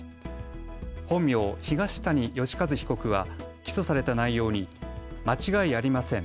本名、東谷義和被告は起訴された内容に間違いありません。